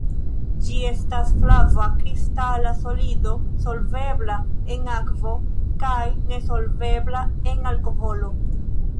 Ĝi estas flava kristala solido, solvebla en akvo kaj nesolvebla en alkoholo.